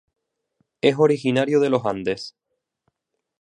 Es originario de los Andes.